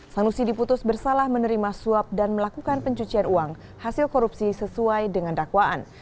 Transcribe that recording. sanusi diputus bersalah menerima suap dan melakukan pencucian uang hasil korupsi sesuai dengan dakwaan